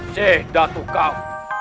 seh datuk kau